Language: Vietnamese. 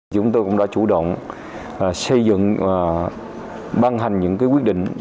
chúng tôi cũng đã chủ động xây dựng và ban hành những cái quyết định